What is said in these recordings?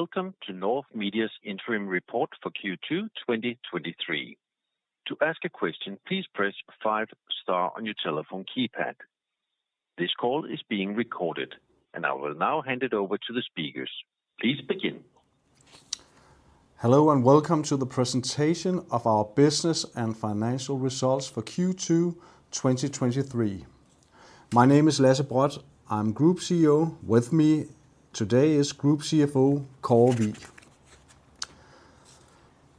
Welcome to North Media's interim report for Q2, 2023. To ask a question, please press five star on your telephone keypad. This call is being recorded, and I will now hand it over to the speakers. Please begin. Hello, welcome to the presentation of our business and financial results for Q2 2023. My name is Lasse Brodt, I'm Group CEO. With me today is Group CFO, Kåre Wigh.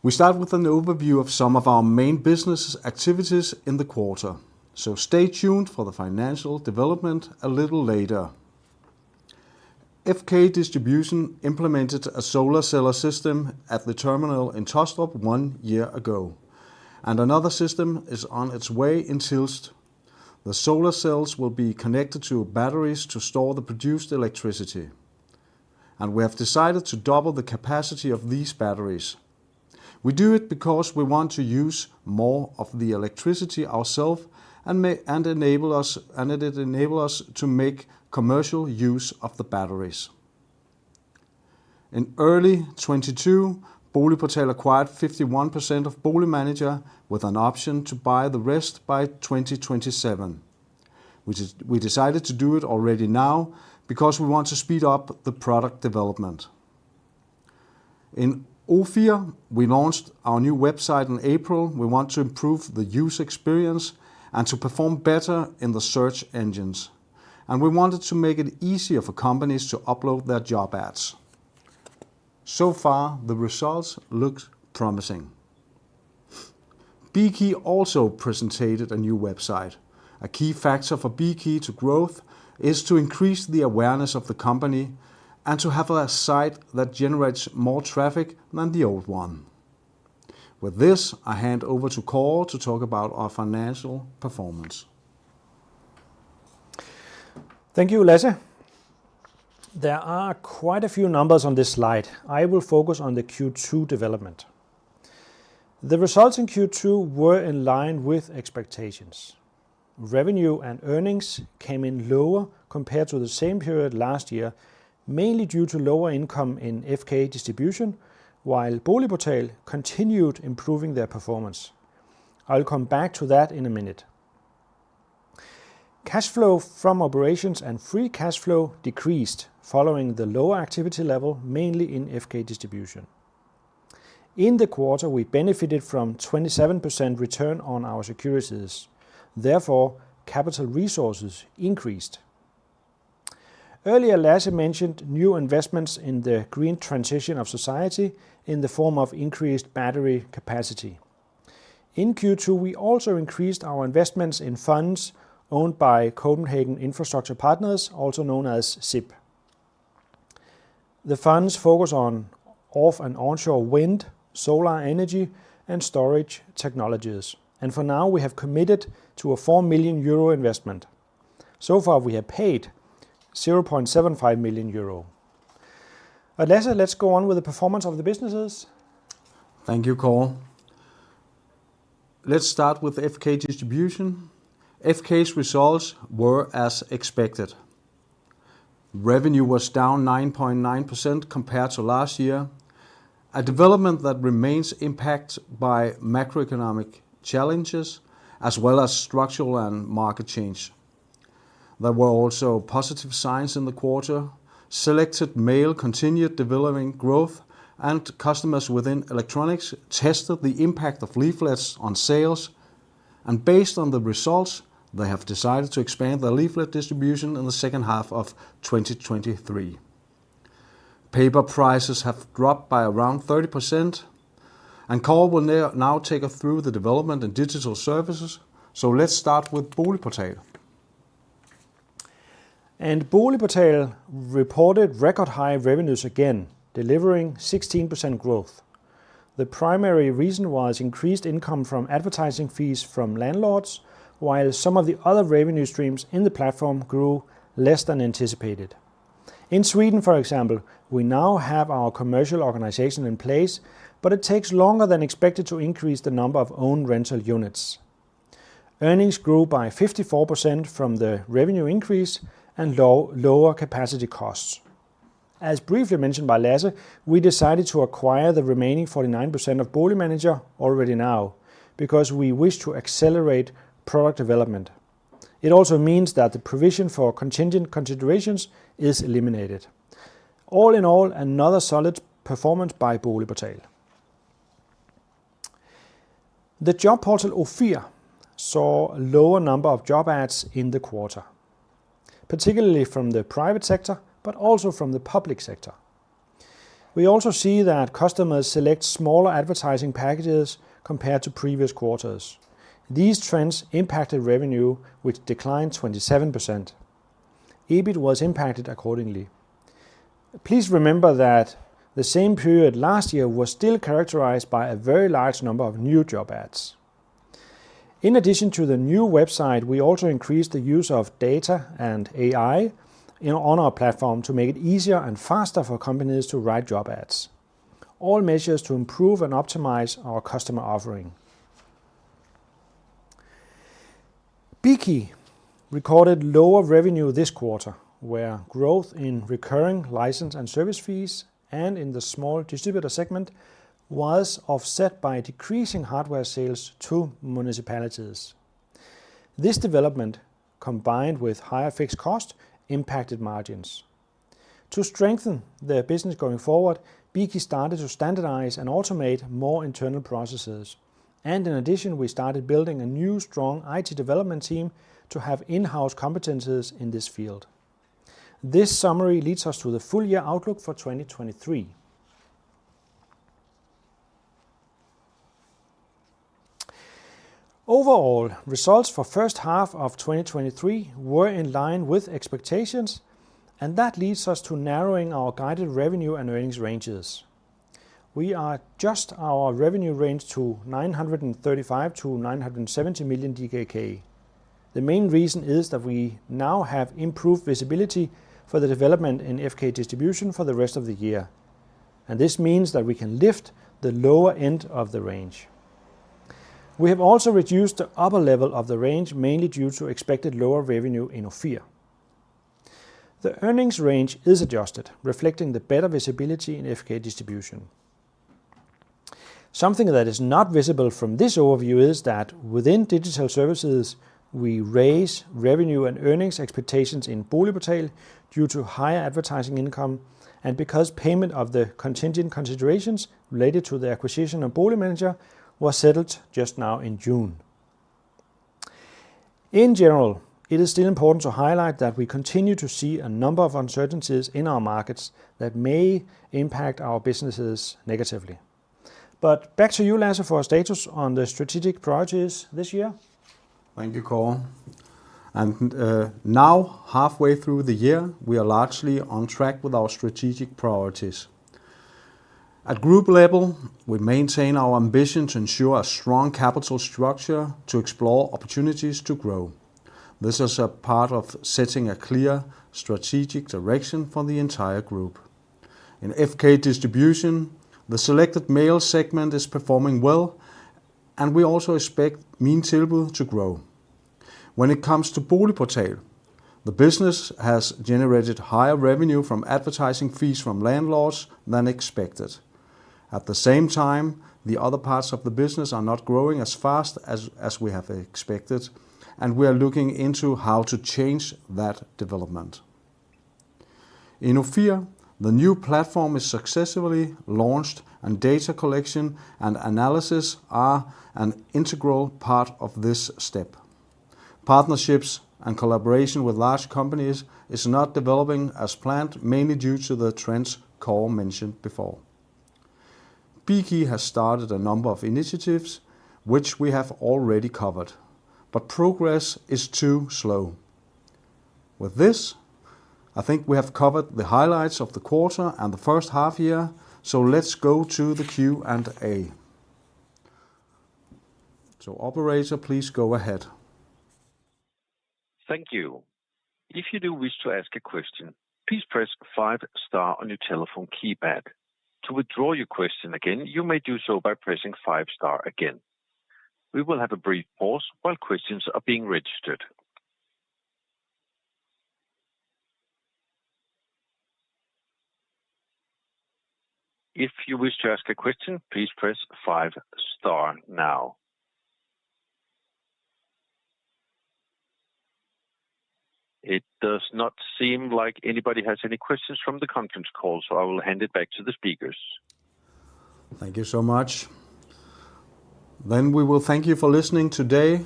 We start with an overview of some of our main business activities in the quarter. Stay tuned for the financial development a little later. FK Distribution implemented a solar cell system at the terminal in Taastrup one year ago, and another system is on its way in Tilst. The solar cells will be connected to batteries to store the produced electricity, and we have decided to double the capacity of these batteries. We do it because we want to use more of the electricity ourself, and it enable us to make commercial use of the batteries. In early 2022, BoligPortal acquired 51% of BoligManager, with an option to buy the rest by 2027. We decided to do it already now because we want to speed up the product development. In Ofir, we launched our new website in April. We want to improve the user experience and to perform better in the search engines, we wanted to make it easier for companies to upload their job ads. Far, the results looked promising. Bekey also presented a new website. A key factor for Bekey to growth is to increase the awareness of the company and to have a site that generates more traffic than the old one. With this, I hand over to Kåre to talk about our financial performance. Thank you, Lasse. There are quite a few numbers on this slide. I will focus on the Q2 development. The results in Q2 were in line with expectations. Revenue and earnings came in lower compared to the same period last year, mainly due to lower income in FK Distribution, while BoligPortal continued improving their performance. I'll come back to that in a minute. Cash flow from operations and free cash flow decreased following the lower activity level, mainly in FK Distribution. In the quarter, we benefited from 27% return on our securities, therefore, capital resources increased. Earlier, Lasse mentioned new investments in the green transition of society in the form of increased battery capacity. In Q2, we also increased our investments in funds owned by Copenhagen Infrastructure Partners, also known as CIP. The funds focus on off and onshore wind, solar energy, and storage technologies. For now we have committed to a 4 million euro investment. So far, we have paid 0.75 million euro. Lasse, let's go on with the performance of the businesses. Thank you, Kåre. Let's start with FK Distribution. FK's results were as expected. Revenue was down 9.9% compared to last year, a development that remains impacted by macroeconomic challenges, as well as structural and market change. There were also positive signs in the quarter. Selected Mail continued developing growth, and customers within electronics tested the impact of leaflets on sales, and based on the results, they have decided to expand their leaflet distribution in the second half of 2023. Paper prices have dropped by around 30%, and Kåre will now take us through the development in digital services. Let's start with BoligPortal. BoligPortal reported record high revenues again, delivering 16% growth. The primary reason was increased income from advertising fees from landlords, while some of the other revenue streams in the platform grew less than anticipated. In Sweden, for example, we now have our commercial organization in place, but it takes longer than expected to increase the number of own rental units. Earnings grew by 54% from the revenue increase and lower capacity costs. As briefly mentioned by Lasse, we decided to acquire the remaining 49% of BoligManager already now, because we wish to accelerate product development. It also means that the provision for contingent considerations is eliminated. All in all, another solid performance by BoligPortal. The job portal, Ofir, saw a lower number of job ads in the quarter, particularly from the private sector, but also from the public sector. We also see that customers select smaller advertising packages compared to previous quarters. These trends impacted revenue, which declined 27%. EBIT was impacted accordingly. Please remember that the same period last year was still characterized by a very large number of new job ads. In addition to the new website, we also increased the use of data and AI on our platform to make it easier and faster for companies to write job ads. All measures to improve and optimize our customer offering. Bekey recorded lower revenue this quarter, where growth in recurring license and service fees and in the small distributor segment was offset by decreasing hardware sales to municipalities. This development, combined with higher fixed cost, impacted margins. To strengthen their business going forward, Bekey started to standardize and automate more internal processes. In addition, we started building a new strong IT development team to have in-house competencies in this field. This summary leads us to the full year outlook for 2023. Overall, results for first half of 2023 were in line with expectations, and that leads us to narrowing our guided revenue and earnings ranges. We are just our revenue range to 935 million-970 million DKK. The main reason is that we now have improved visibility for the development in FK Distribution for the rest of the year, and this means that we can lift the lower end of the range. We have also reduced the upper level of the range, mainly due to expected lower revenue in Ofir. The earnings range is adjusted, reflecting the better visibility in FK Distribution. Something that is not visible from this overview is that within digital services, we raise revenue and earnings expectations in BoligPortal due to higher advertising income, and because payment of the contingent considerations related to the acquisition of BoligManager was settled just now in June. In general, it is still important to highlight that we continue to see a number of uncertainties in our markets that may impact our businesses negatively. Back to you, Lasse, for a status on the strategic priorities this year. Thank you, Kåre, now, halfway through the year, we are largely on track with our strategic priorities. At group level, we maintain our ambition to ensure a strong capital structure to explore opportunities to grow. This is a part of setting a clear strategic direction for the entire group. In FK Distribution, the selected mail segment is performing well, and we also expect Minetilbud to grow. When it comes to BoligPortal, the business has generated higher revenue from advertising fees from landlords than expected. At the same time, the other parts of the business are not growing as fast as we have expected, and we are looking into how to change that development. In OFIR, the new platform is successfully launched, and data collection and analysis are an integral part of this step. Partnerships and collaboration with large companies is not developing as planned, mainly due to the trends Kåre mentioned before. Bekey has started a number of initiatives, which we have already covered, but progress is too slow. With this, I think we have covered the highlights of the quarter and the first half year, so let's go to the Q&A. Operator, please go ahead. Thank you. If you do wish to ask a question, please press five star on your telephone keypad. To withdraw your question again, you may do so by pressing five star again. We will have a brief pause while questions are being registered. If you wish to ask a question, please press five star now. It does not seem like anybody has any questions from the conference call, so I will hand it back to the speakers. Thank you so much. We will thank you for listening today,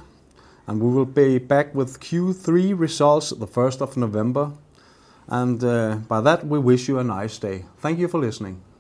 and we will be back with Q3 results the first of November, and by that, we wish you a nice day. Thank you for listening.